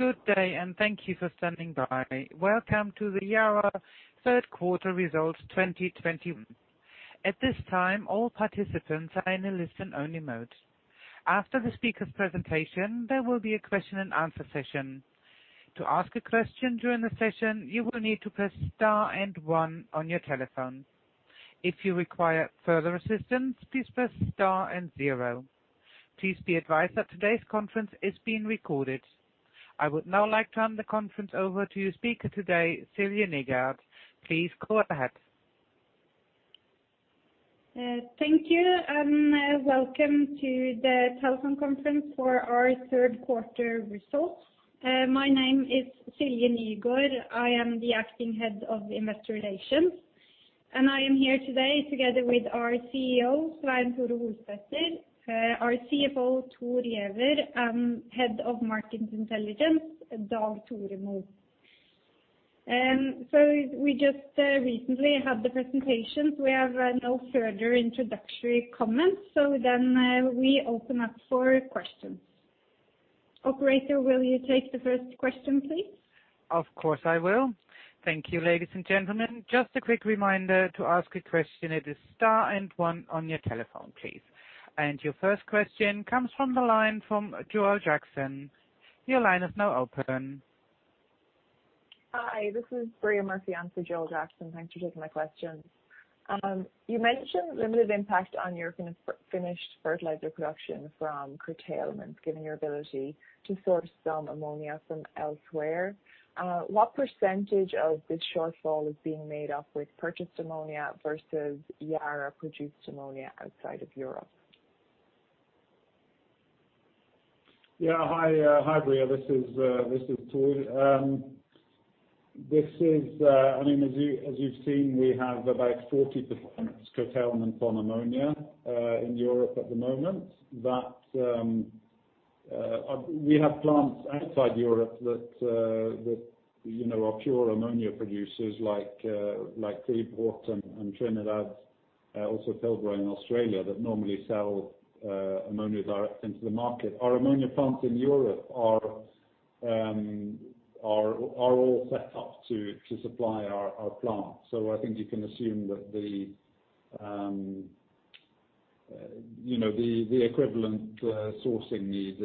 Good day, and thank you for standing by. Welcome to the Yara third quarter results 2021. At this time, all participants are in a listen-only mode. After the speaker's presentation, there will be a question-and-answer session. To ask a question during the session, you will need to press star and one on your telephone. If you require further assistance, please press star and zero. Please be advised that today's conference is being recorded. I would now like to hand the conference over to your speaker today, Silje Nygaard. Please go ahead. Thank you, and welcome to the telephone conference for our third quarter results. My name is Silje Nygaard. I am the Acting Head of Investor Relations. I am here today together with our CEO, Svein Tore Holsether, our CFO, Thor Giæver, Head of Market Intelligence, Dag Tore Mo. We just recently had the presentations. We have no further introductory comments. We open up for questions. Operator, will you take the first question, please? Of course, I will. Thank you, ladies and gentlemen. Just a quick reminder, to ask a question, it is star and one on your telephone, please. Your first question comes from the line from Joel Jackson. Your line is now open. Hi. This is Bria Murphy on for Joel Jackson. Thanks for taking my questions. You mentioned limited impact on your finished fertilizer production from curtailment, given your ability to source some ammonia from elsewhere. What percentage of this shortfall is being made up with purchased ammonia versus Yara-produced ammonia outside of Europe? Hi, Bria. This is Thor. As you've seen, we have about 40% curtailment on ammonia in Europe at the moment. We have plants outside Europe that are pure ammonia producers like Freeport and Trinidad, also Pilbara in Australia that normally sell ammonia direct into the market. Our ammonia plants in Europe are all set up to supply our plant. I think you can assume that the equivalent sourcing need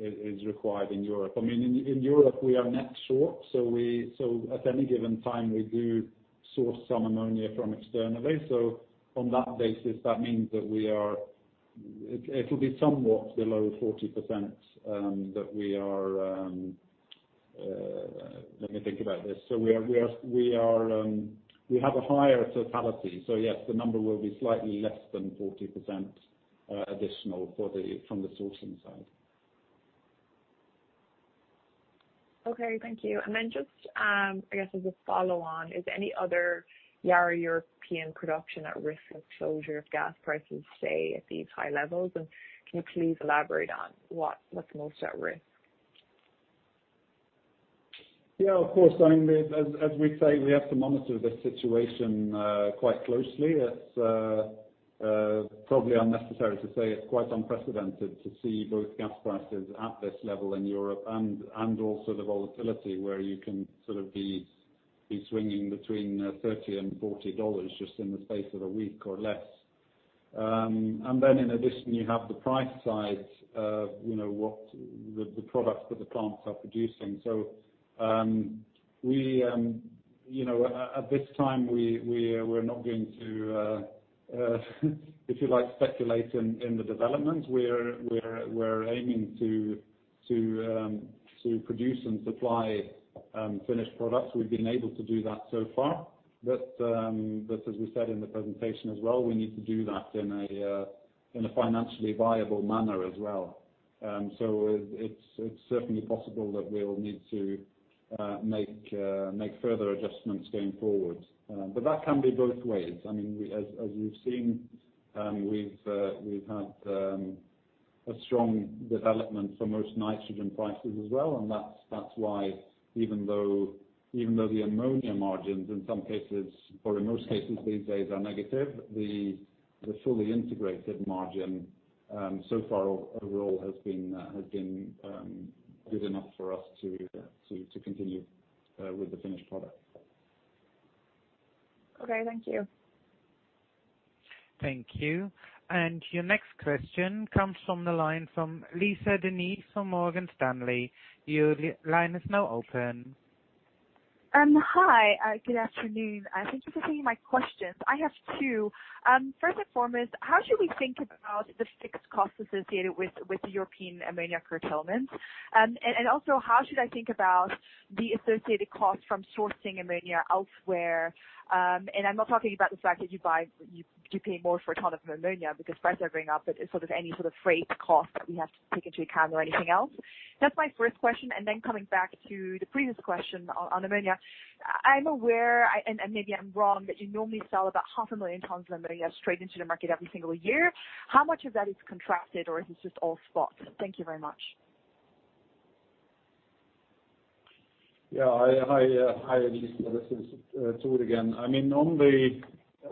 is required in Europe. In Europe, we are net short, at any given time, we do source some ammonia from externally. On that basis, that means that it'll be somewhat below 40%, that we are, let me think about this. We have a higher totality. Yes, the number will be slightly less than 40% additional from the sourcing side. Okay. Thank you. Just, I guess as a follow-on, is any other Yara European production at risk of closure if gas prices stay at these high levels? Can you please elaborate on what's most at risk? Yeah, of course. As we say, we have to monitor the situation quite closely. It's probably unnecessary to say it's quite unprecedented to see both gas prices at this level in Europe and also the volatility where you can sort of be swinging between $30 and $40 just in the space of a week or less. In addition, you have the price side of the products that the plants are producing. At this time, we're not going to, if you like, speculate in the development. We're aiming to produce and supply finished products. We've been able to do that so far. As we said in the presentation as well, we need to do that in a financially viable manner as well. It's certainly possible that we'll need to make further adjustments going forward. That can be both ways. As you've seen, we've had a strong development for most nitrogen prices as well, and that's why even though the ammonia margins in some cases, or in most cases these days are negative, the fully integrated margin so far overall has been good enough for us to continue with the finished product. Okay. Thank you. Thank you. Your next question comes from the line from Lisa De Neve from Morgan Stanley. Your line is now open. Hi, good afternoon. Thank you for taking my questions. I have two: First and foremost, how should we think about the fixed costs associated with the European ammonia curtailment? How should I think about the associated cost from sourcing ammonia elsewhere? I'm not talking about the fact that you pay more for a ton of ammonia because prices are going up, but any sort of freight cost that we have to take into account or anything else? That's my first question. Coming back to the previous question on ammonia. I'm aware, and maybe I'm wrong, that you normally sell about 500,000 tons of ammonia straight into the market every single year. How much of that is contracted or is this just all spot? Thank you very much. Yeah. Hi, Lisa De Neve. This is Thor again.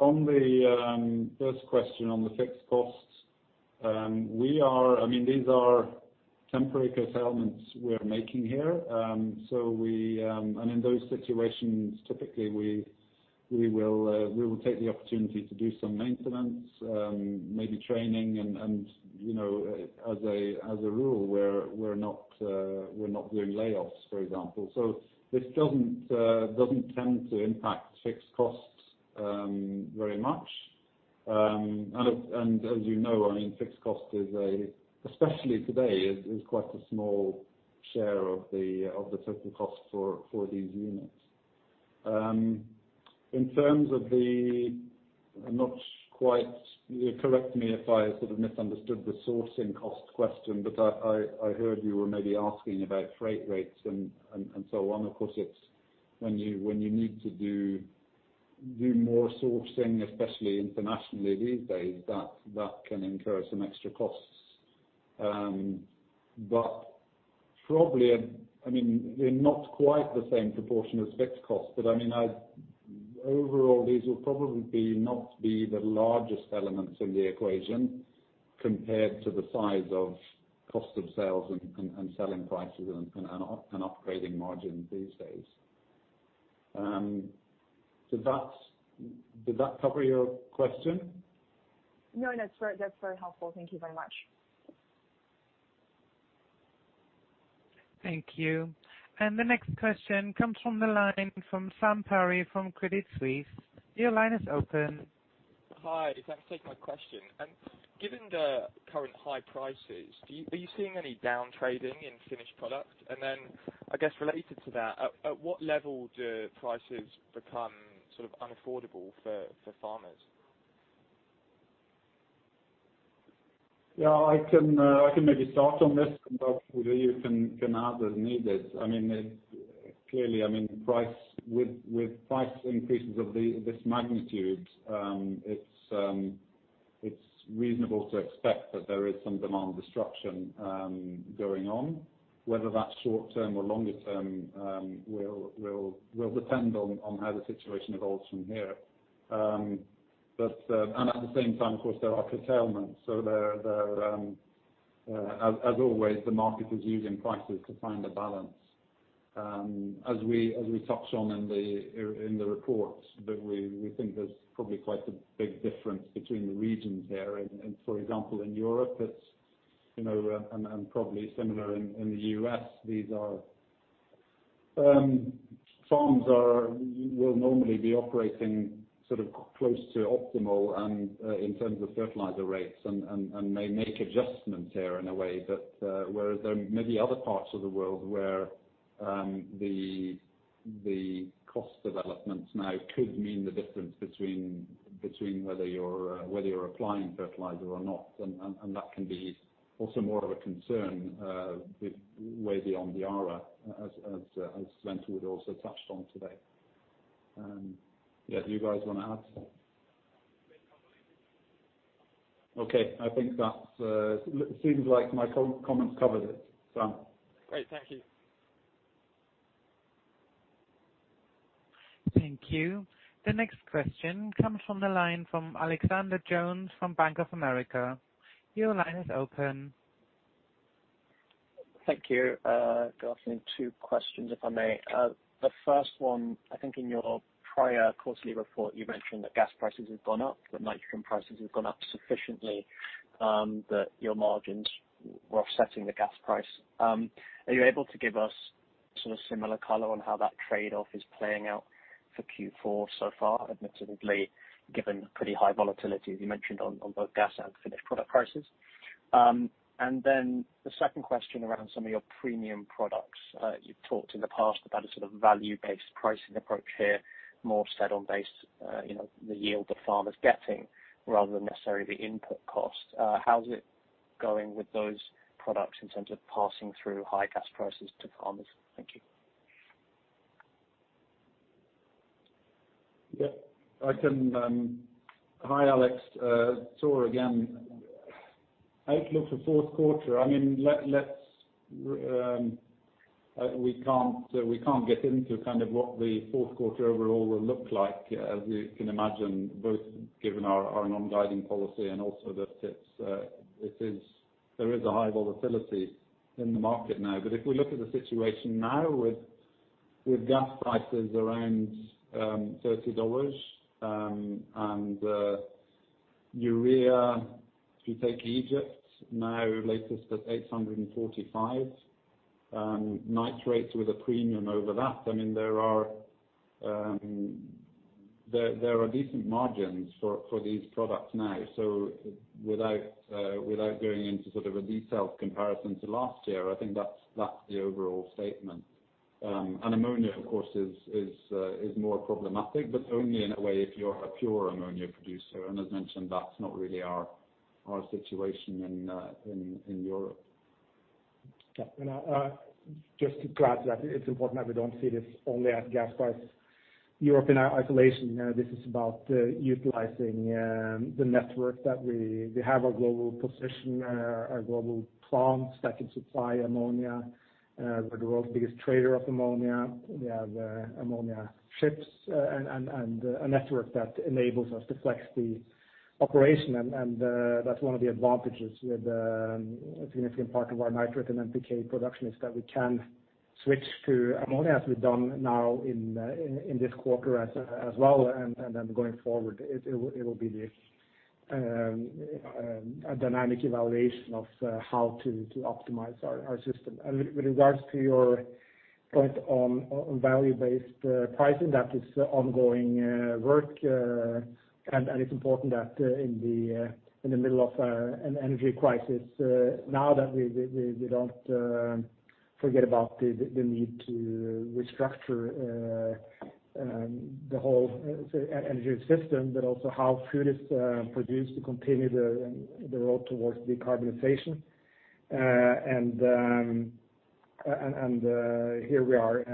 On the first question on the fixed costs, these are temporary curtailments we are making here. In those situations, typically, we will take the opportunity to do some maintenance, maybe training, and as a rule, we're not doing layoffs, for example. This doesn't tend to impact fixed costs very much. As you know, fixed cost, especially today, is quite a small share of the total cost for these units. In terms of the, correct me if I sort of misunderstood the sourcing cost question, but I heard you were maybe asking about freight rates and so on. Of course, when you need to do more sourcing, especially internationally these days, that can incur some extra costs. Probably, in not quite the same proportion as fixed costs. Overall, these will probably not be the largest elements in the equation compared to the size of cost of sales, and selling prices, and operating margins these days. Did that cover your question? No, that's very helpful. Thank you very much. Thank you. The next question comes from the line from Sam Perry from Credit Suisse. Your line is open. Hi. Thanks for taking my question. Given the current high prices, are you seeing any down trading in finished product? I guess related to that, at what level do prices become unaffordable for farmers? Yeah, I can maybe start on this, and both of you can add as needed. Clearly, with price increases of this magnitude, it is reasonable to expect that there is some demand destruction going on. Whether that is short-term or longer-term will depend on how the situation evolves from here. At the same time, of course, there are curtailments. As always, the market is using prices to find a balance. As we touched on in the report, that we think there is probably quite a big difference between the regions here. For example, in Europe, probably similar in the U.S., farms will normally be operating close to optimal, and in terms of fertilizer rates, and may make adjustments here in a way that whereas there may be other parts of the world where the cost developments now could mean the difference between whether you are applying fertilizer or not. That can be also more of a concern with way beyond Yara, as Svein Tore would also touch on today. Yeah. Do you guys want to add? You've covered it. Okay. Seems like my comments covered it, Sam. Great. Thank you. Thank you. The next question comes from the line from Alexander Jones from Bank of America. Your line is open. Thank you. Got two questions, if I may. The first one, I think in your prior quarterly report, you mentioned that gas prices have gone up, that nitrogen prices have gone up sufficiently that your margins were offsetting the gas price. Are you able to give us sort of similar color on how that trade-off is playing out for Q4 so far, admittedly, given pretty high volatility, as you mentioned, on both gas and finished product prices? Then the second question around some of your premium products. You've talked in the past about a sort of value-based pricing approach here, more set on base the yield the farmer's getting rather than necessarily the input cost. How is it going with those products in terms of passing through high gas prices to farmers? Thank you. Hi, Alex. Thor again. Outlook for fourth quarter. We can't get into kind of what the fourth quarter overall will look like, as you can imagine, both given our non-guiding policy and also that there is a high volatility in the market now. If we look at the situation now with gas prices around $30 and urea, if you take Egypt now latest at $845, nitrates with a premium over that, there are decent margins for these products now. Without going into sort of a detailed comparison to last year, I think that's the overall statement. Ammonia, of course, is more problematic, but only in a way if you are a pure ammonia producer. As mentioned, that's not really our situation in Europe. Just to clarify, it's important that we don't see this only at gas price Europe in isolation; this is about utilizing the network that we have our global position, our global plants that can supply ammonia. We're the world's biggest trader of ammonia. We have ammonia ships and a network that enables us to flex the operation. That's one of the advantages with a significant part of our nitrate and NPK production is that we can switch to ammonia, as we've done now in this quarter as well. Going forward, it will be a dynamic evaluation of how to optimize our system. With regards to your point on value-based pricing, that is ongoing work. It's important that in the middle of an energy crisis now that we don't forget about the need to restructure the whole energy system, but also how food is produced to continue the road towards decarbonization. Here we are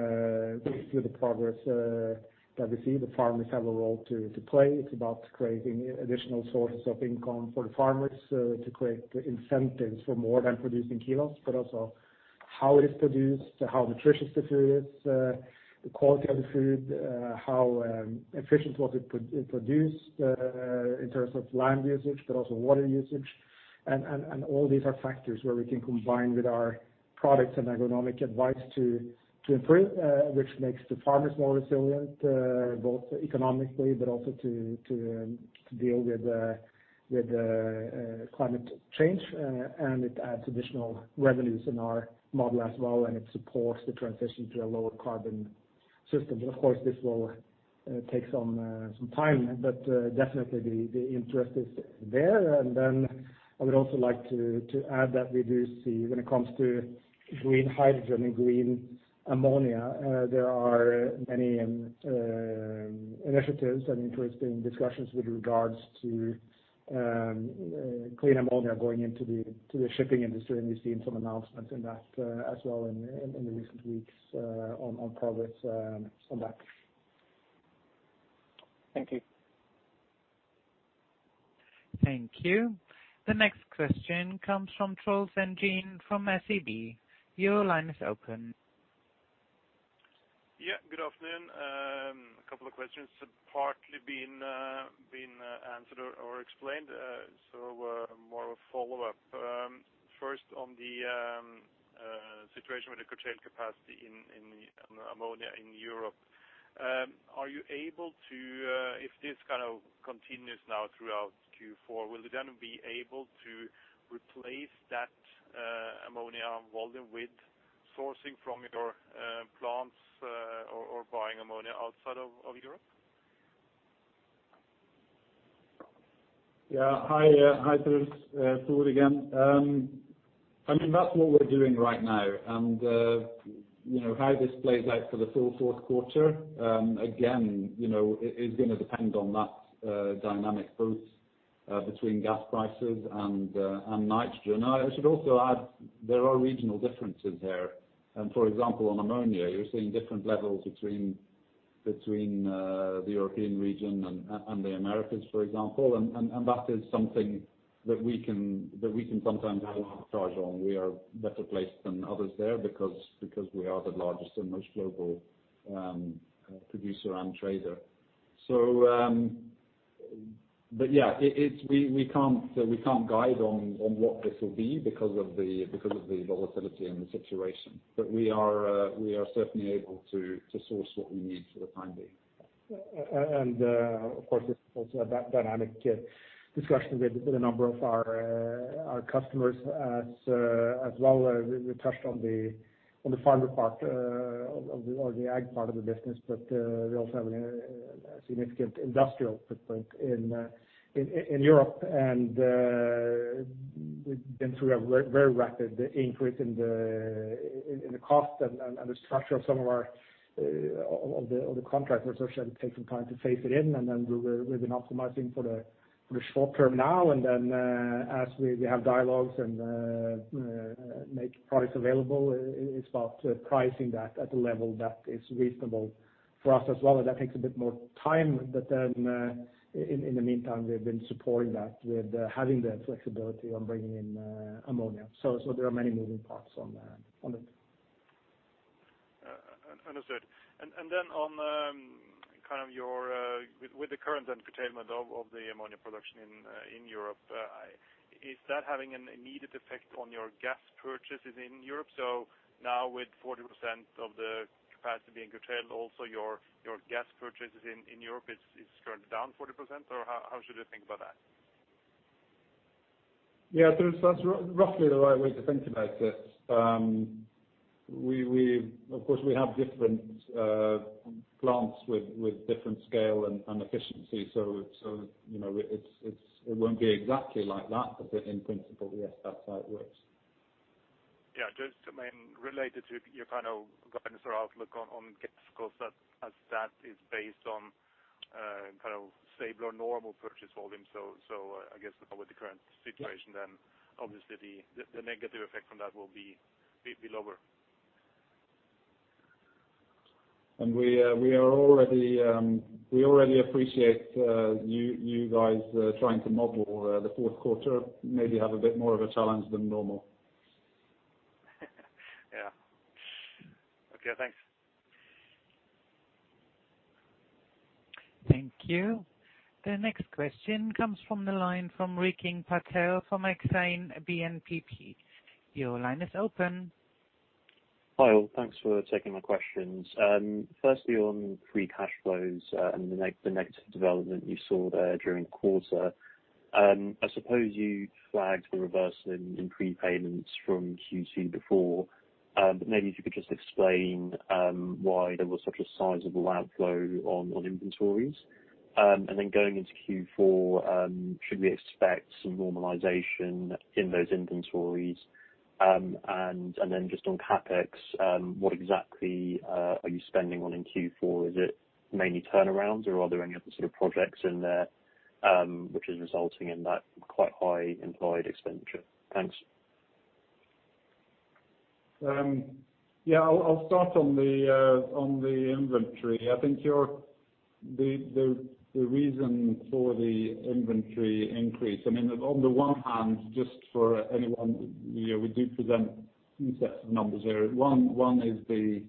with the progress that we see. The farmers have a role to play. It's about creating additional sources of income for the farmers to create incentives for more than producing kilos, but also how it is produced, how nutritious the food is, the quality of the food, how efficient was it produced, in terms of land usage, but also water usage. All these are factors where we can combine with our products and agronomic advice to improve, which makes the farmers more resilient both economically but also to deal with climate change. It adds additional revenues in our model as well, and it supports the transition to a lower-carbon system. Of course, this will take some time. Definitely, the interest is there. Then I would also like to add that we do see when it comes to green hydrogen and green ammonia, there are many initiatives and interesting discussions with regards to clean ammonia going into the shipping industry. We've seen some announcements in that as well in the recent weeks on progress on that. Thank you. Thank you. The next question comes from Troels Larsen from SEB. Your line is open. Good afternoon. A couple of questions partly been answered or explained. More of a follow-up. First, on the situation with the curtailment capacity in ammonia in Europe. Are you able to if this kind of continues now throughout Q4, will you then be able to replace that ammonia volume with sourcing from your plants or buying ammonia outside of Europe? Yeah. Hi, Troels. Thor again. That's what we're doing right now. How this plays out for the full fourth quarter, again, is going to depend on that dynamic both between gas prices and nitrogen. I should also add, there are regional differences there. For example, on ammonia, you're seeing different levels between the European region and the Americas, for example. That is something that we can sometimes have an arbitrage on. We are better placed than others there because we are the largest and most global producer and trader. Yeah, we can't guide on what this will be because of the volatility and the situation. We are certainly able to source what we need for the time being. Of course, it's also a dynamic discussion with a number of our customers as well. We touched on the farmer part or the ag part of the business. We also have a significant industrial footprint in Europe. We've been through a very rapid increase in the cost and the structure of some of the contract resets that will take some time to phase it in. We've been optimizing for the short term now and then as we have dialogues and make products available, it's about pricing that at a level that is reasonable for us as well. That takes a bit more time. In the meantime, we've been supporting that with having the flexibility on bringing in ammonia. There are many moving parts on it. Understood. With the current curtailment of the ammonia production in Europe, is that having an immediate effect on your gas purchases in Europe? Now with 40% of the capacity being curtailed, also your gas purchases in Europe is turned down 40%? How should I think about that? Yeah, Troels, that's roughly the right way to think about it. Of course, we have different plants with different scale and efficiency. It won't be exactly like that. In principle, yes, that's how it works. Yeah. Just related to your kind of guidance or outlook on gas costs as that is based on kind of stable or normal purchase volume. I guess with the current situation, then obviously the negative effect from that will be lower. We already appreciate you guys trying to model the fourth quarter, maybe have a bit more of a challenge than normal. Yeah. Okay, thanks. Thank you. The next question comes from the line from Rikin Patel from Exane BNP Paribas. Your line is open. Hi all. Thanks for taking my questions. Firstly, on free cash flows and the negative development you saw there during the quarter. I suppose you flagged a reversal in prepayments from Q2 before, but maybe if you could just explain why there was such a sizable outflow on inventories. Going into Q4, should we expect some normalization in those inventories? Just on CapEx, what exactly are you spending on in Q4? Is it mainly turnarounds, or are there any other sort of projects in there which is resulting in that quite high implied expenditure? Thanks. Yeah. I'll start on the inventory. I think the reason for the inventory increase, I mean, on the one hand, just for anyone we do present two sets of numbers there. One is the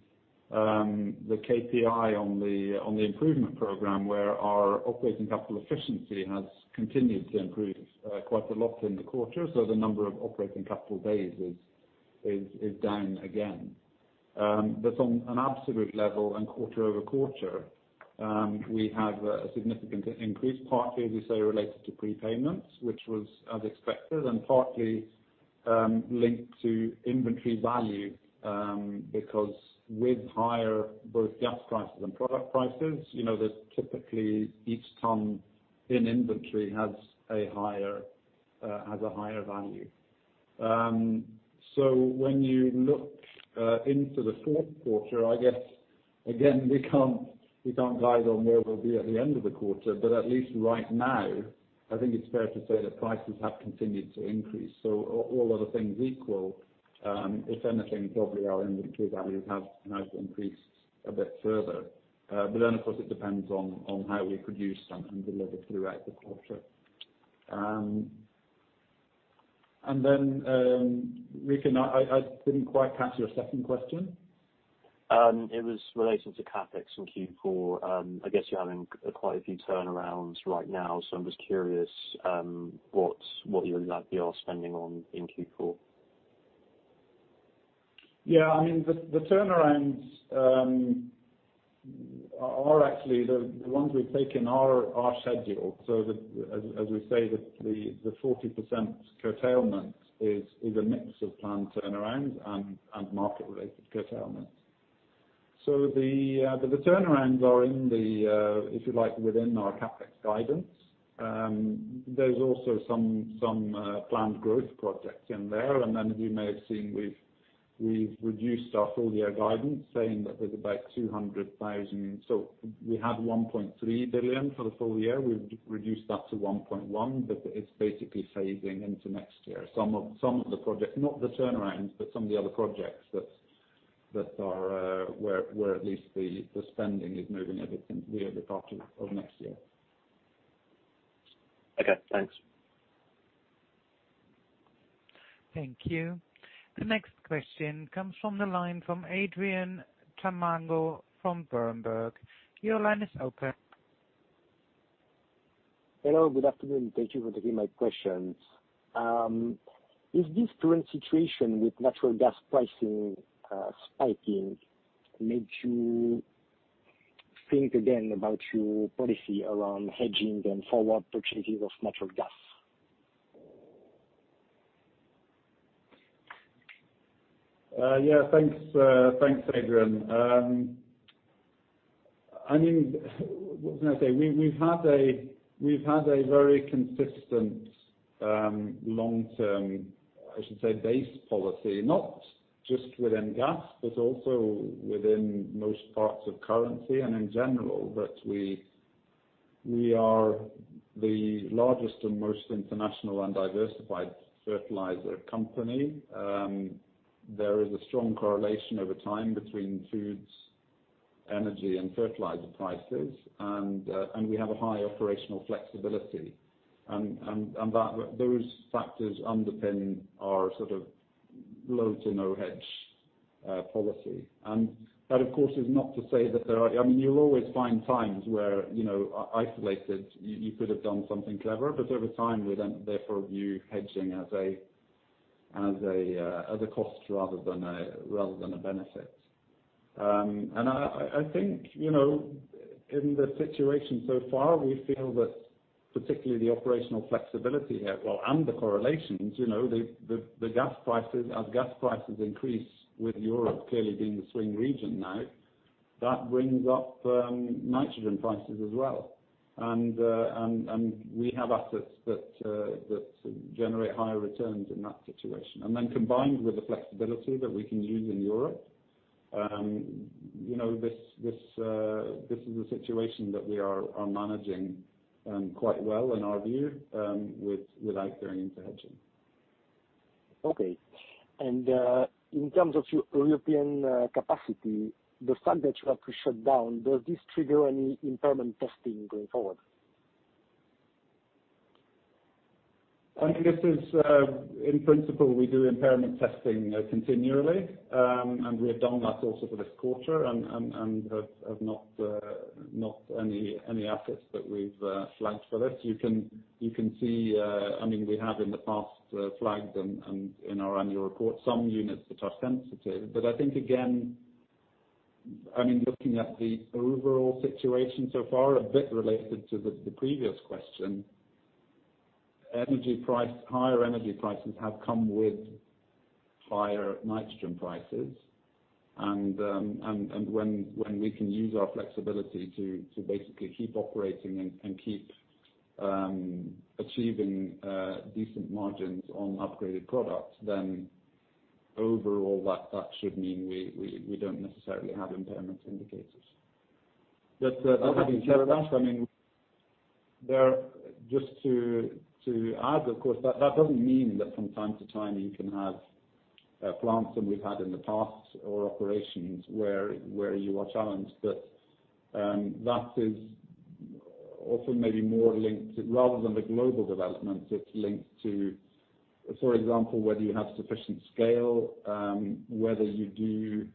KPI on the improvement program, where our operating capital efficiency has continued to improve quite a lot in the quarter. The number of operating capital days is down again. On an absolute level and quarter-over-quarter, we have a significant increase, partly, as you say, related to prepayments, which was as expected, and partly linked to inventory value, because with higher both gas prices and product prices, typically each ton in inventory has a higher value. When you look into the fourth quarter, I guess, again, we can't guide on where we'll be at the end of the quarter, but at least right now, I think it's fair to say that prices have continued to increase. All other things equal, if anything, probably our inventory values have now increased a bit further. Of course, it depends on how we produce and deliver throughout the quarter. Rikin, I didn't quite catch your second question. It was related to CapEx in Q4. I guess you're having quite a few turnarounds right now, so I'm just curious what you're likely spending on in Q4. Yeah, the turnarounds are actually the ones we've taken are scheduled. As we say, the 40% curtailment is a mix of planned turnarounds and market-related curtailment. The turnarounds are in the, if you like, within our CapEx guidance. There's also some planned growth projects in there. As you may have seen, we've reduced our full-year guidance, saying that there's about 200,000. We had 1.3 billion for the full year. We've reduced that to 1.1 billion, but it's basically phasing into next year. Some of the projects, not the turnarounds, but some of the other projects that are where at least the spending is moving a bit into the other part of next year. Okay, thanks. Thank you. The next question comes from the line from Adrien Tamagno from Berenberg. Your line is open. Hello, good afternoon. Thank you for taking my questions. Is this current situation with natural gas pricing spiking made you think again about your policy around hedging and forward purchases of natural gas? Yeah. Thanks, Adrien. What was I going to say? We've had a very consistent long-term, I should say, base policy, not just within gas, but also within most parts of currency, and in general, that we are the largest and most international and diversified fertilizer company. There is a strong correlation over time between food, energy, and fertilizer prices. We have a high operational flexibility. Those factors underpin our sort of low-to-no-hedge policy. That, of course, is not to say that you always find times where isolated, you could have done something clever, but every time we then therefore view hedging as a cost rather than a benefit. I think, in the situation so far, we feel that particularly the operational flexibility here, well, and the correlations. As gas prices increase, with Europe clearly being the swing region now, that brings up nitrogen prices as well. We have assets that generate higher returns in that situation. Combined with the flexibility that we can use in Europe, this is a situation that we are managing quite well, in our view, without doing any hedging. Okay. In terms of European capacity, the plant that you had to shut down, does this trigger any impairment testing going forward? In principle, we do impairment testing continually. We have done that also for this quarter and have not any assets that we've flagged for this. You can see we have, in the past, flagged and, in our annual report, some units which are sensitive. I think, again, looking at the overall situation so far, a bit related to the previous question, higher energy prices have come with higher nitrogen prices. When we can use our flexibility to basically keep operating and keep achieving decent margins on upgraded products, then overall that should mean we don't necessarily have impairment indicators. Having said that, just to add, of course, that doesn't mean that from time to time you can have plants than we've had in the past or operations where you are challenged. That is also maybe more linked, rather than the global developments, it's linked to, for example, whether you have sufficient scale, whether you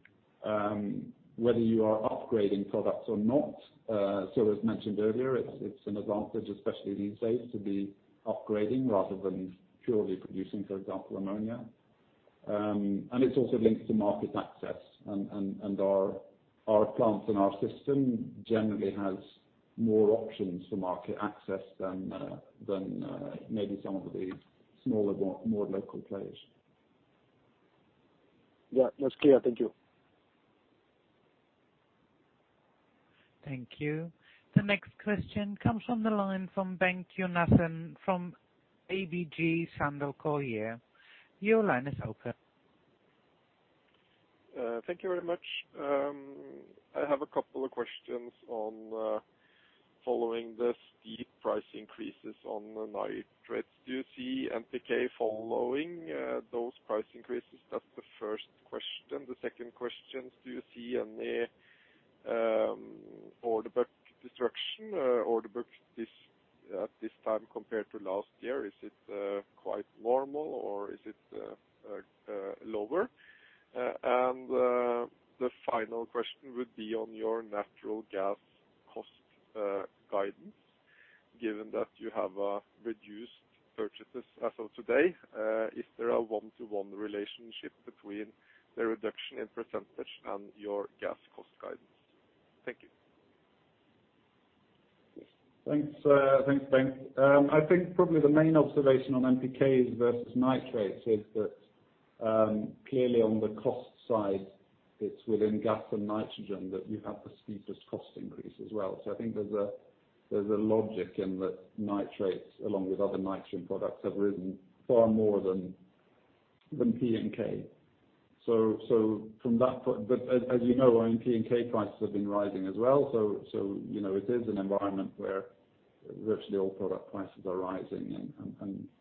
are upgrading products or not. As mentioned earlier, it's an advantage, especially these days, to be upgrading rather than purely producing, for example, ammonia. It's also linked to market access. Our plants and our system generally has more options for market access than maybe some of the smaller, more local players. Yeah. That's clear. Thank you. Thank you. The next question comes from the line from Bengt Jonassen from ABG Sundal Collier. Your line is open. Thank you very much. I have a couple of questions on following the steep price increases on the nitrates. Do you see NPK following those price increases? That's the first question. The second question, do you see any order book destruction? Order books at this time compared to last year, is it quite normal or is it lower? The final question would be on your natural gas cost guidance, given that you have reduced purchases as of today. Is there a one-to-one relationship between the reduction in percentage and your gas cost guidance? Thank you. Thanks, Bengt. I think probably the main observation on NPKs versus nitrates is that clearly on the cost side, it's within gas and nitrogen that you have the steepest cost increase as well. I think there's a logic in that nitrates, along with other nitrogen products, have risen far more than P and K. As you know, our P and K prices have been rising as well. It is an environment where virtually all product prices are rising,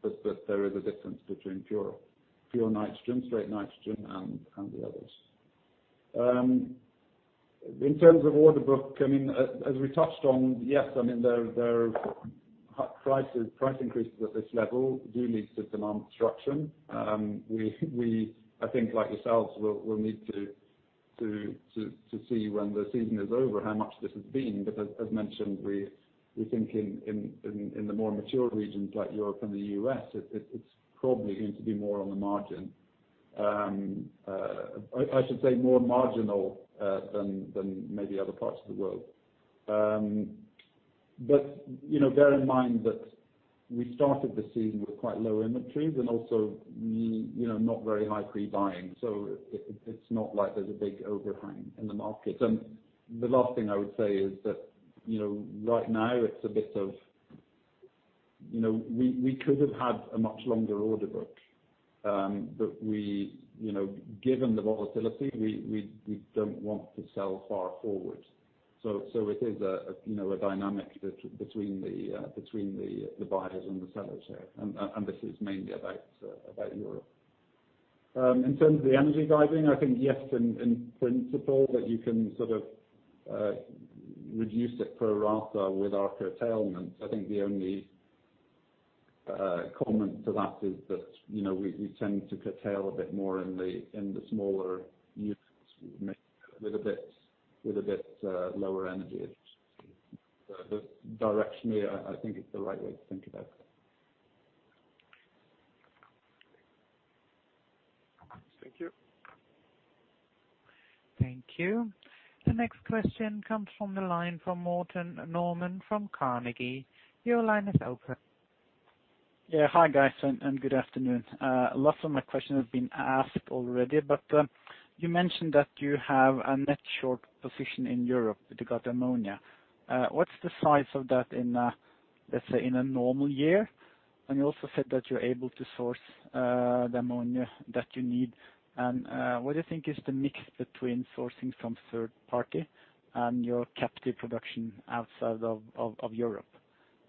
but there is a difference between pure nitrogen, straight nitrogen, and the others. In terms of order book, as we touched on, yes, price increases at this level do lead to demand destruction. We, I think like yourselves, will need to see when the season is over how much this has been. As mentioned, we think in the more mature regions like Europe and the U.S., it's probably going to be more on the margin. I should say more marginal than maybe other parts of the world. Bear in mind that we started the season with quite low inventories and also not very high pre-buying. It's not like there's a big overhang in the market. The last thing I would say is that, right now, it's a bit of we could have had a much longer order book, but given the volatility, we don't want to sell far forward. It is a dynamic between the buyers and the sellers here, and this is mainly about Europe. In terms of the energy guiding, I think yes, in principle, that you can sort of reduce it pro rata with our curtailment. I think the only comment to that is that we tend to curtail a bit more in the smaller units mixed with a bit lower energy. Directionally, I think it's the right way to think about it. Thank you. Thank you. The next question comes from the line from Morten Normann from Carnegie. Your line is open. Yeah. Hi, guys, and good afternoon. Lots of my questions have been asked already, but you mentioned that you have a net short position in Europe with regard to ammonia. What's the size of that in, let's say, in a normal year? You also said that you're able to source the ammonia that you need. What do you think is the mix between sourcing from third party and your captive production outside of Europe?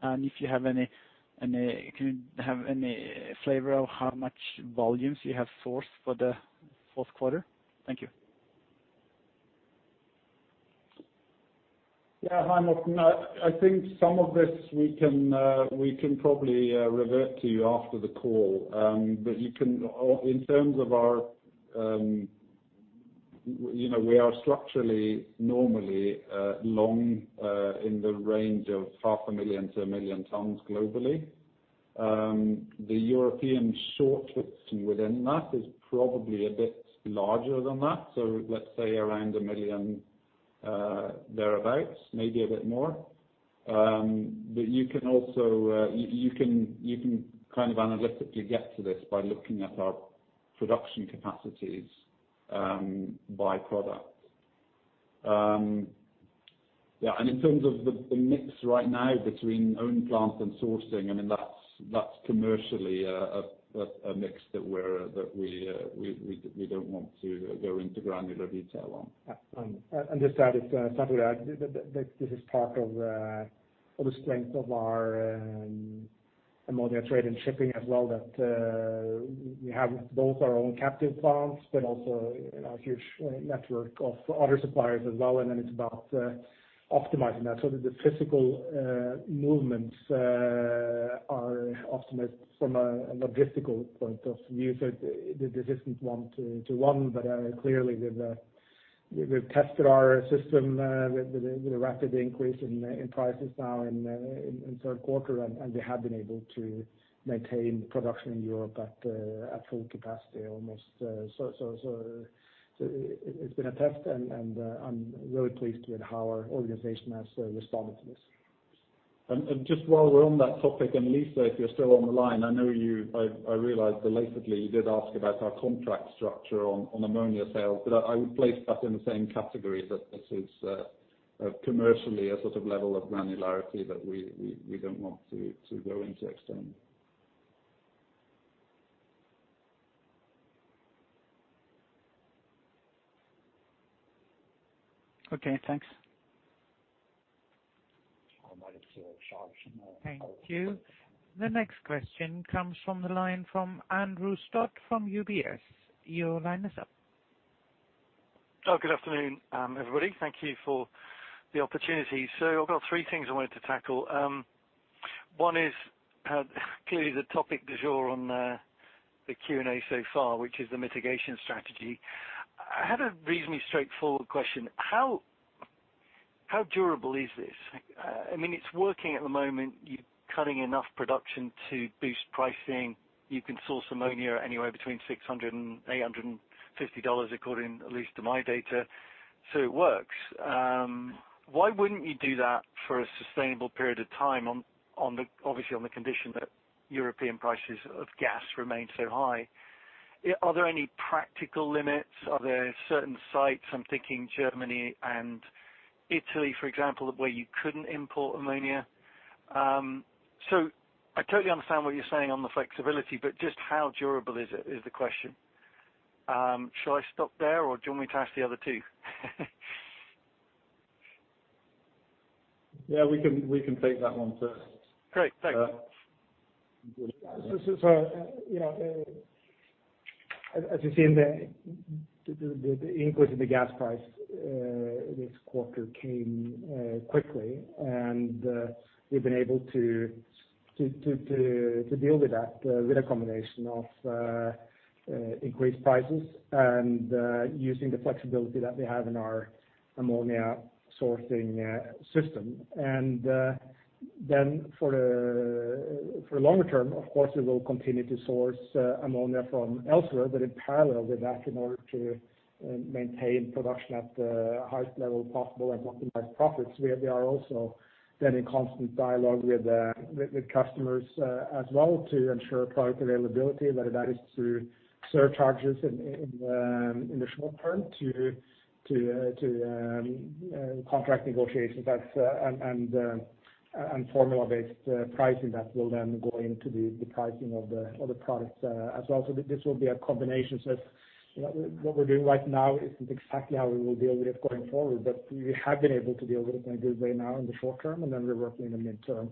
If you have any, can you have any flavor of how much volumes you have sourced for the fourth quarter? Thank you. Yeah. Hi, Morten. I think some of this we can probably revert to you after the call. In terms of our, we are structurally normally long, in the range of 500,000 tons-1,000,000 tons globally. The European shortfall within that is probably a bit larger than that. Let's say around 1,000,000 tons, thereabouts, maybe a bit more. You can kind of analytically get to this by looking at our production capacities by product. Yeah, in terms of the mix right now between own plant and sourcing, that's commercially a mix that we don't want to go into granular detail on. Just to add, that this is part of the strength of our ammonia trade and shipping as well, that we have both our own captive plants, but also a huge network of other suppliers as well. Then it's about optimizing that so that the physical movements are optimized from a logistical point of view, so that this isn't one-to-one. Clearly, we've tested our system with the rapid increase in prices now in third quarter, and we have been able to maintain production in Europe almost at full capacity. It's been a test, and I'm really pleased with how our organization has responded to this. Just while we're on that topic, and Lisa, if you're still on the line, I know you, I realized belatedly you did ask about our contract structure on ammonia sales, but I would place that in the same category that this is commercially a sort of level of granularity that we don't want to go into extent. Okay, thanks. I might have to. Thank you. The next question comes from the line from Andrew Stott from UBS. Your line is up. Oh, good afternoon, everybody. Thank you for the opportunity. I've got three things I wanted to tackle. One is clearly the topic du jour on the Q&A so far, which is the mitigation strategy. I had a reasonably straightforward question. How durable is this? It's working at the moment; you're cutting enough production to boost pricing. You can source ammonia anywhere between $600 and $850, according at least to my data. It works. Why wouldn't you do that for a sustainable period of time on the, obviously on the condition that European prices of gas remain so high? Are there any practical limits? Are there certain sites, I'm thinking Germany and Italy, for example, where you couldn't import ammonia? I totally understand what you're saying on the flexibility, but just how durable is it, is the question. Should I stop there, or do you want me to ask the other two? Yeah, we can take that one first. Great. Thanks. As you see in the increase in the gas price, this quarter came quickly, and we've been able to deal with that with a combination of increased prices and using the flexibility that we have in our ammonia sourcing system. For longer term, of course, we will continue to source ammonia from elsewhere. In parallel with that, in order to maintain production at the highest level possible and optimize profits, we are also then in constant dialogue with customers as well to ensure product availability, whether that is through surcharges in the short term, to contract negotiations and formula-based pricing that will then go into the pricing of the products as well. This will be a combination. What we're doing right now isn't exactly how we will deal with it going forward, but we have been able to deal with it in a good way now in the short term, and then we're working in the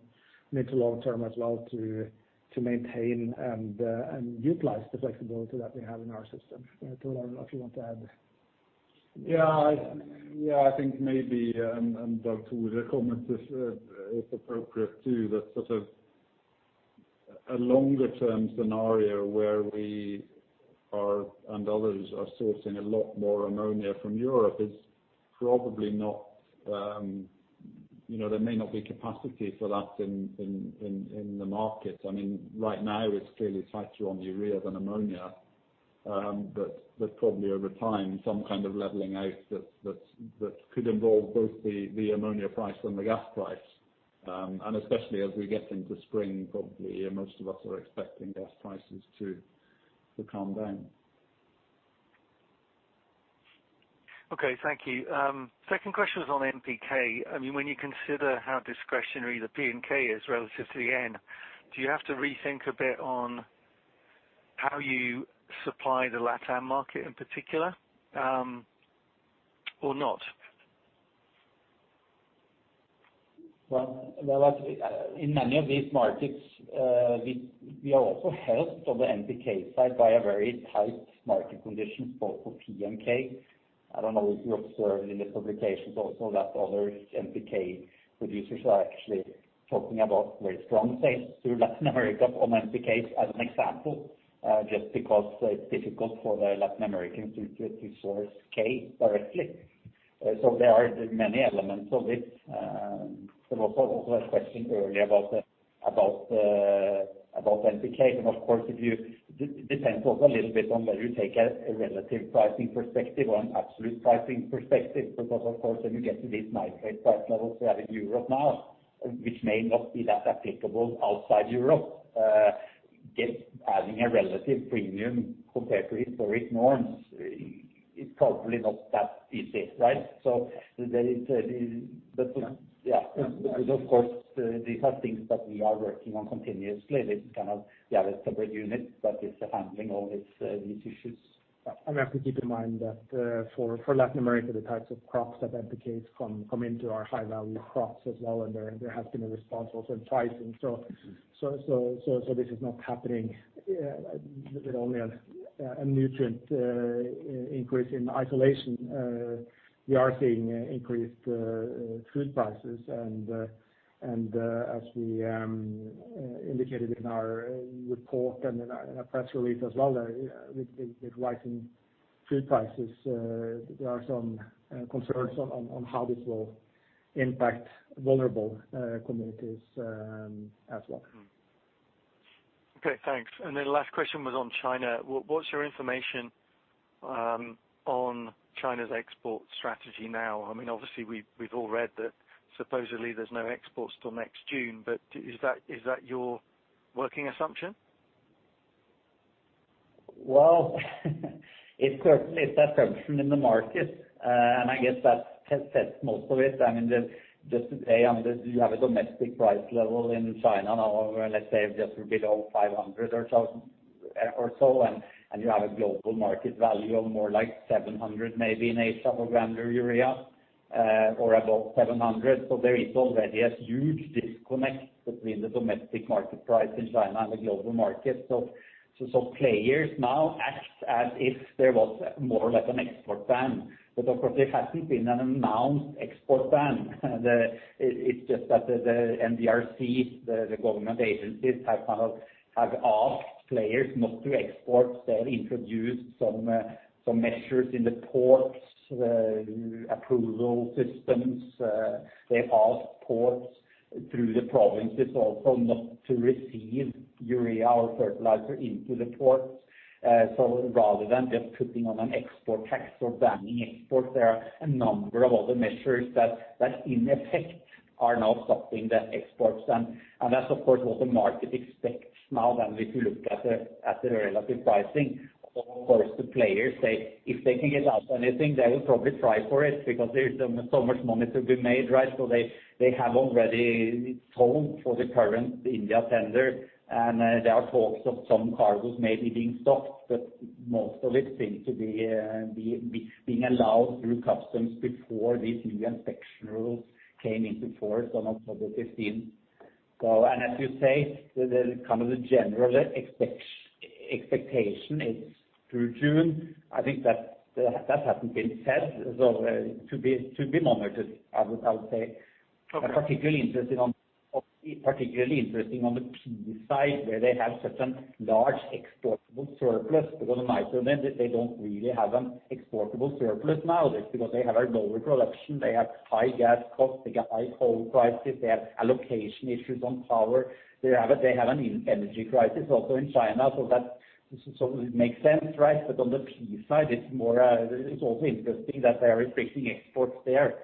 mid to long term as well to maintain and utilize the flexibility that we have in our system. Thor, I don't know if you want to add. Yeah. I think maybe, back to the comment is appropriate too, that sort of a longer term scenario where we are, and others are sourcing a lot more ammonia from Europe, there may not be capacity for that in the market. Right now, it's clearly tighter on the urea than ammonia. Probably over time, some kind of leveling out that could involve both the ammonia price and the gas price. Especially as we get into spring, probably most of us are expecting gas prices to calm down. Okay, thank you. Second question was on NPK. When you consider how discretionary the P and K is relative to the N, do you have to rethink a bit on how you supply the LatAm market in particular, or not? Well, in many of these markets, we are also helped on the NPK side by a very tight market condition for P and K. I don't know if you observed in the publications also that other NPK producers are actually talking about very strong sales to Latin America on NPK as an example, just because it's difficult for the Latin Americans to source K directly. There are many elements of it. There was also a question earlier about NPK. Of course, it depends also a little bit on whether you take a relative pricing perspective or an absolute pricing perspective. Of course, when you get to these nitrate price levels we have in Europe now, which may not be that applicable outside Europe, having a relative premium compared to historic norms is probably not that easy, right? Yeah. Yeah. Of course, these are things that we are working on continuously. They have a separate unit that is handling all these issues. We have to keep in mind that for Latin America, the types of crops that NPKs come into are high-value crops as well, and there has been a response also in pricing. This is not happening, only a nutrient increase in isolation. We are seeing increased food prices, and as we indicated in our report and in our press release as well, with rising food prices, there are some concerns on how this will impact vulnerable communities as well. Okay, thanks. Then the last question was on China. What's your information on China's export strategy now? Obviously, we've all read that supposedly there's no exports till next June. Is that your working assumption? It certainly is the assumption in the market, and I guess that says most of it. Just today, you have a domestic price level in China now of, let's say, just a bit over 500 or so, and you have a global market value of more like 700, maybe in Asia, for granular urea, or above 700. There is already a huge disconnect between the domestic market price in China and the global market. Players now act as if there was more or less an export ban. Of course, there hasn't been an announced export ban. It's just that the NDRC, the government agencies, have asked players not to export. They have introduced some measures in the ports, approval systems. They have asked ports through the provinces also not to receive urea or fertilizer into the ports. Rather than just putting on an export tax or banning exports, there are a number of other measures that in effect are now stopping the exports. That's, of course, what the market expects now than if you look at the relative pricing. Of course, the players say if they can get out anything, they will probably try for it because there is so much money to be made, right? They have already toned for the current India tender, and there are talks of some cargoes maybe being stopped, but most of it seems to be being allowed through customs before these new inspection rules came into force on October 15. As you say, the general expectation is through June. I think that hasn't been said, so to be monitored, I would say. Particularly interesting on the P side, where they have such a large exportable surplus, because the nitrogen, they don't really have an exportable surplus now. It's because they have a lower production. They have high gas costs. They got high coal prices. They have allocation issues on power. They have an energy crisis also in China. It makes sense, right? On the P side, it's also interesting that they are restricting exports there.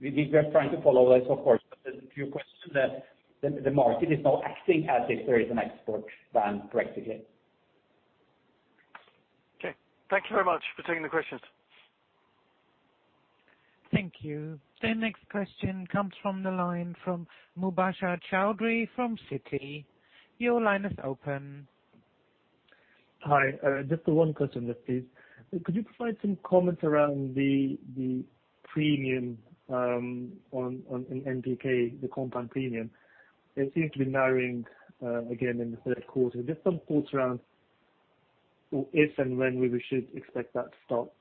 We are trying to follow this, of course. To your question, the market is now acting as if there is an export ban practically. Okay. Thank you very much for taking the questions. Thank you. The next question comes from the line from Mubasher Chaudhry from Citi. Your line is open. Hi. Just one question, please. Could you provide some comment around the premium on NPK, the compound premium? It seems to be narrowing again in the third quarter. Just some thoughts around if and when we should expect that to stop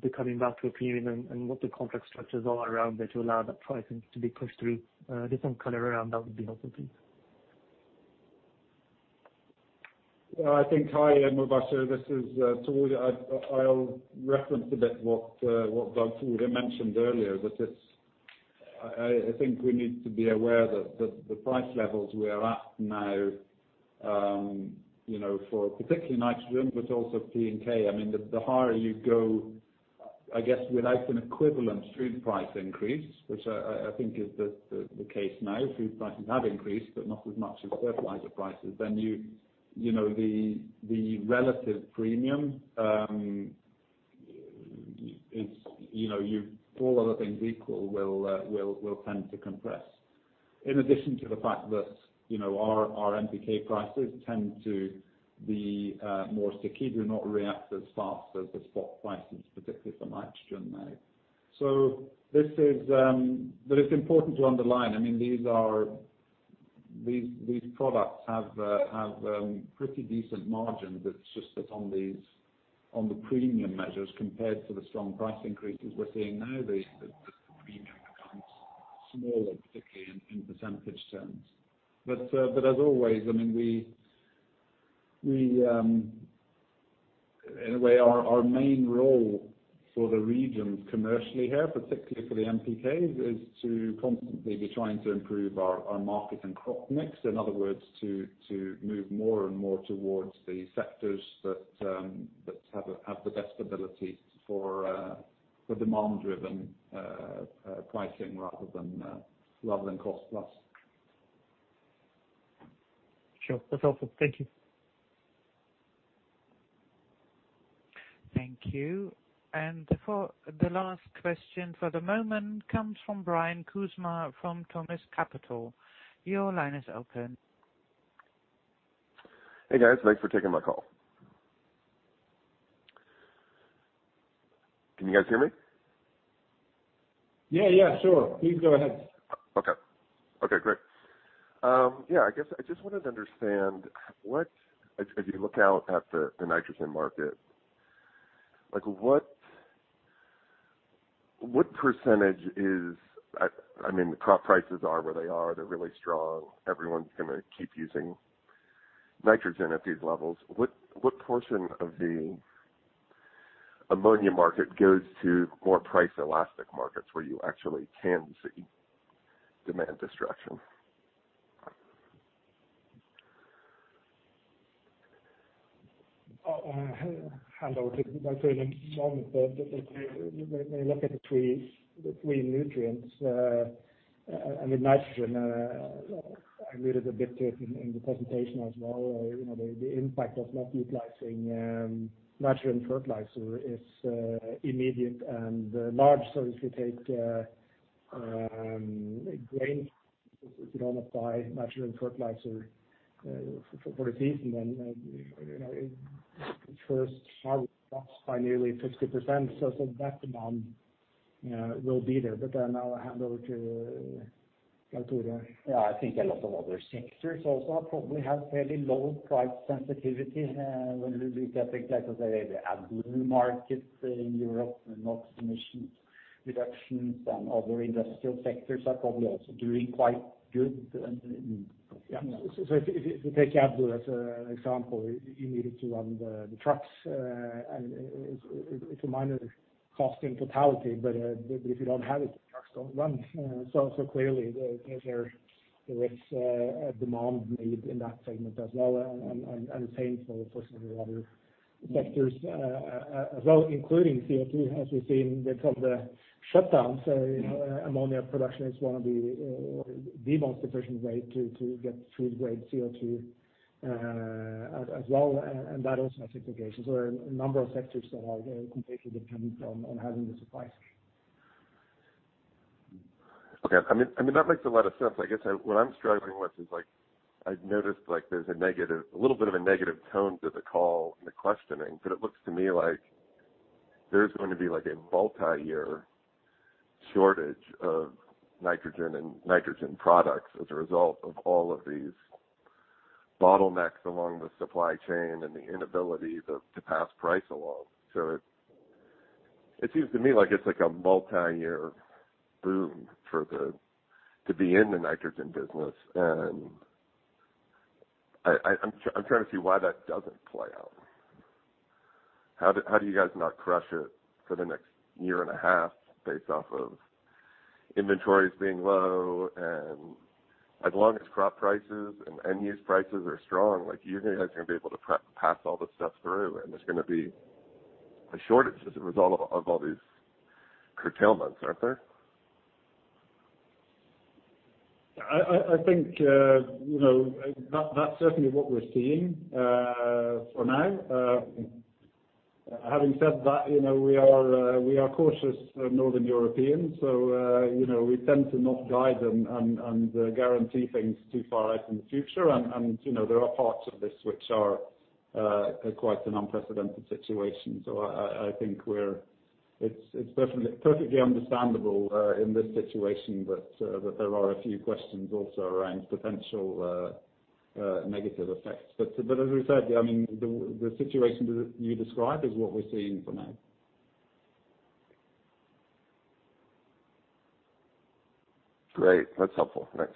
becoming back to a premium and what the contract structures are around there to allow that pricing to be pushed through. Just some color around that would be helpful, please. Hi, Mubasher. This is Thor. I'll reference a bit what Svein Tore mentioned earlier, that I think we need to be aware that the price levels we are at now for particularly nitrogen, but also P and K, the higher you go I guess without an equivalent food price increase, which I think is the case now, food prices have increased, but not as much as fertilizer prices, then the relative premium, all other things equal, will tend to compress. In addition to the fact that our NPK prices tend to be more sticky, do not react as fast as the spot prices, particularly for nitrogen now. It's important to underline, these products have pretty decent margins, it's just that on the premium measures compared to the strong price increases we're seeing now, the premium becomes smaller, particularly in percentage terms. As always, our main role for the regions commercially here, particularly for the NPK, is to constantly be trying to improve our market and crop mix. In other words, to move more and more towards the sectors that have the best ability for demand-driven pricing rather than cost-plus. Sure. That's helpful. Thank you. Thank you. For the last question for the moment comes from Brian Kuzma from Thomist Capital. Your line is open. Hey, guys. Thanks for taking my call. Can you guys hear me? Yeah. Sure. Please go ahead. Okay, great. I guess I just wanted to understand as you look out at the nitrogen market, what percentage are, I mean the crop prices are where they are. They are really strong. Everyone is going to keep using nitrogen at these levels. What portion of the ammonia market goes to more price elastic markets where you actually can see demand destruction? I'll hand over to Dag Tore in a moment, but if you look at the three nutrients, and with nitrogen, I alluded a bit to it in the presentation as well, the impact of not utilizing nitrogen fertilizer is immediate and large. If you take grain, if you don't apply nitrogen fertilizer for a season, then the first harvest drops by nearly 50%. That demand will be there. I'll hand over to Dag Tore. Yeah, I think a lot of other sectors also probably have fairly low price sensitivity when we look at things like, let's say, the AdBlue market in Europe and NOx emissions reductions and other industrial sectors are probably also doing quite good. If you take AdBlue as an example, you need it to run the trucks. It's a minor cost in totality, but if you don't have it, the trucks don't run. Clearly, there is a demand need in that segment as well and the same for some of the other sectors as well, including CO2, as we've seen from the shutdowns. Ammonia production is one of the most efficient ways to get food-grade CO2 as well, and that also has implications. A number of sectors that are completely dependent on having the supplies. Okay. That makes a lot of sense. I guess what I'm struggling with is, I've noticed there's a little bit of a negative tone to the call and the questioning, but it looks to me like there's going to be a multi-year shortage of nitrogen and nitrogen products as a result of all of these bottlenecks along the supply chain and the inability to pass price along. It seems to me like it's a multi-year boom to be in the nitrogen business, and I'm trying to see why that doesn't play out. How do you guys not crush it for the next year and a half based off of inventories being low, and as long as crop prices and end-use prices are strong, you guys are going to be able to pass all this stuff through, and there's going to be a shortage as a result of all these curtailments, aren't there? I think that's certainly what we're seeing for now. Having said that, we are cautious Northern Europeans; we tend to not guide and guarantee things too far out in the future. There are parts of this which are quite an unprecedented situation. I think it's perfectly understandable in this situation that there are a few questions also around potential negative effects. As we've said, the situation you describe is what we're seeing for now. Great. That's helpful. Thanks.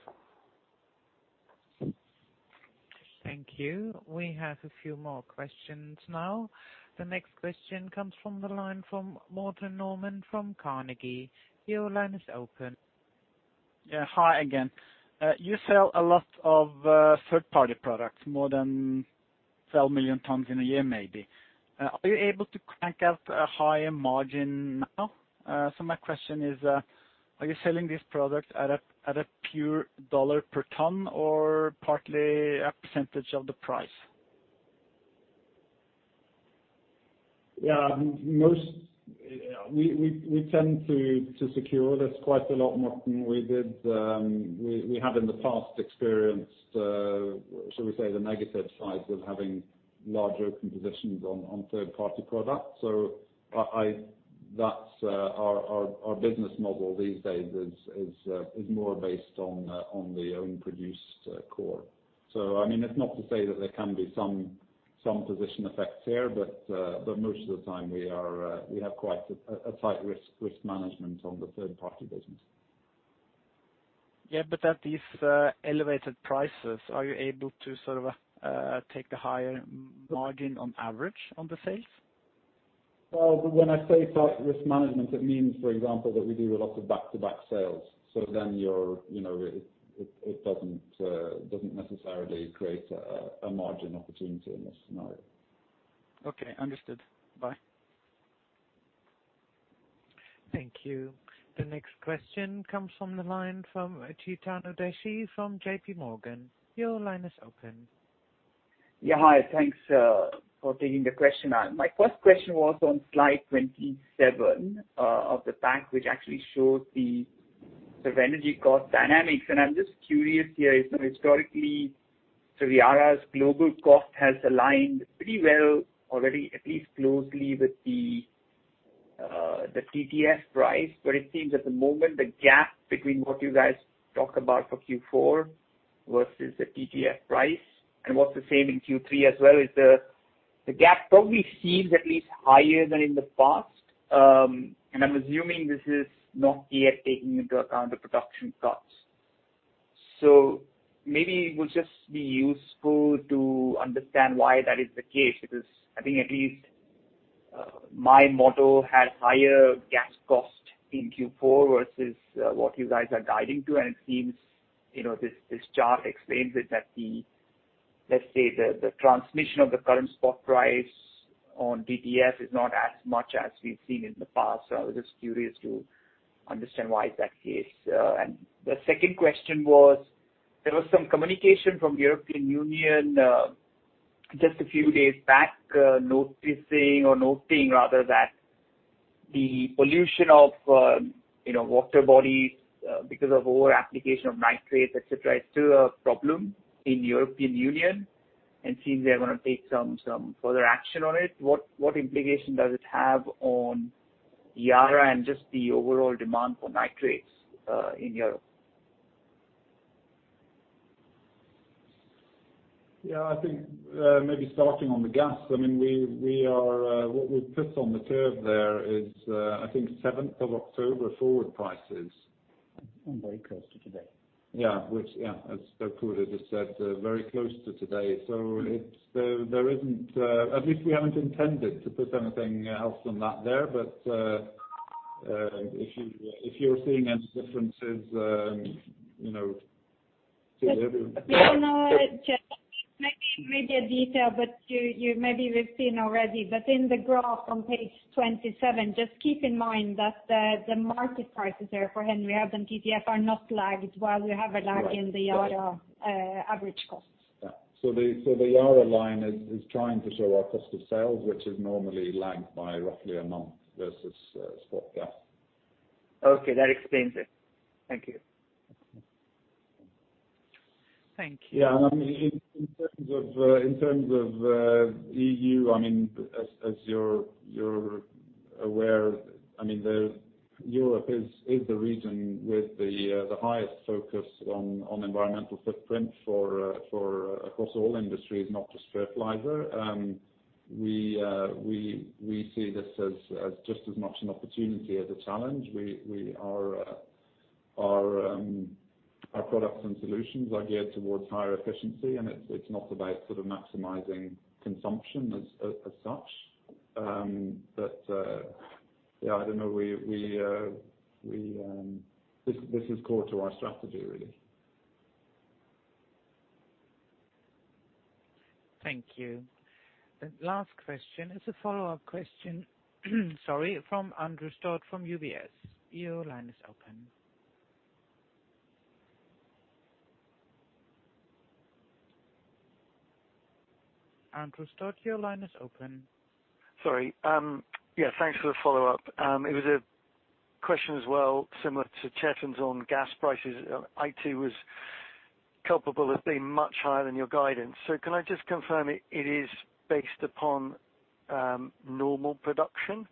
Thank you. We have a few more questions now. The next question comes from the line from Morten Normann from Carnegie. Your line is open. Yeah. Hi again. You sell a lot of third-party products, more than 12,000,000 tons in a year, maybe. Are you able to crank out a higher margin now? My question is, are you selling these products at a pure dollar per ton or partly a percentage of the price? We tend to secure this quite a lot more than we have in the past experienced, shall we say, the negative sides of having large open positions on third-party products. Our business model these days is more based on the own produced core. It's not to say that there can be some position effects here, but most of the time we have quite a tight risk management on the third party business. Yeah, at these elevated prices, are you able to take a higher margin on average on the sales? Well, when I say tight risk management, it means, for example, that we do a lot of back-to-back sales. It doesn't necessarily create a margin opportunity in this scenario. Okay, understood. Bye. Thank you. The next question comes from the line from Chetan Udeshi from JPMorgan. Your line is open. Yeah. Hi. Thanks for taking the question. My first question was on Slide 27 of the pack, which actually shows the energy cost dynamics, and I'm just curious here. Historically, Yara's global cost has aligned pretty well already, at least closely with the TTF price. But it seems at the moment, the gap between what you guys talked about for Q4 versus the TTF price and what's the same in Q3 as well, is the gap probably seems at least higher than in the past. I'm assuming this is not yet taking into account the production costs. Maybe it will just be useful to understand why that is the case, because I think at least my model had higher gas cost in Q4 versus what you guys are guiding to. It seems this chart explains it at the, let's say, the transmission of the current spot price on TTF is not as much as we've seen in the past. I was just curious to understand why that is. The second question was, there was some communication from European Union just a few days back noticing or noting rather that the pollution of water bodies because of over application of nitrates, et cetera, is still a problem in the European Union and seems they're going to take some further action on it. What implication does it have on Yara and just the overall demand for nitrates in Europe? Yeah, I think maybe starting on the gas, what we put on the curve there is I think 7th of October forward prices. Very close to today. Yeah. As Dag Tore just said, very close to today. At least we haven't intended to put anything else than that there. If you're seeing any differences. Maybe in greater detail, but maybe we’ve seen already, but in the graph on Page 27, just keep in mind that the market prices there for Henry Hub and TTF are not lagged while we have a lag in the Yara average cost. Yeah. The Yara line is trying to show our cost of sales, which is normally lagged by roughly a month versus spot gas. Okay. That explains it. Thank you. Thank you. In terms of EU, as you're aware, Europe is the region with the highest focus on environmental footprint across all industries, not just fertilizer. We see this as just as much an opportunity as a challenge. Our products and solutions are geared towards higher efficiency, and it's not about maximizing consumption as such. I don't know, this is core to our strategy, really. Thank you. The last question is a follow-up question from Andrew Stott from UBS. Your line is open. Andrew Stott, your line is open. Sorry. Yeah, thanks for the follow-up. It was a question as well, similar to Chetan's on gas prices. It was culpable as being much higher than your guidance. Can I just confirm it is based upon normal production?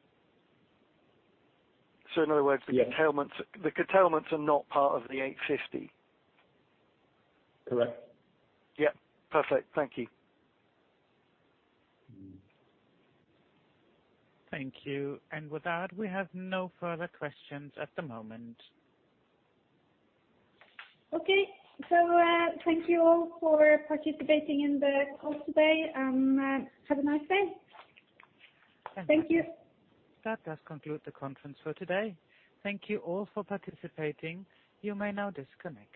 In other words, the curtailments are not part of the $850? Correct. Yeah. Perfect. Thank you. Thank you. With that, we have no further questions at the moment. Okay. Thank you all for participating in the call today. Have a nice day. Thank you. That does conclude the conference for today. Thank you all for participating. You may now disconnect.